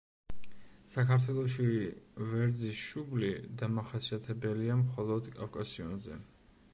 საქართველოში „ვერძის შუბლი“ დამახასიათებელია მხოლოდ კავკასიონზე.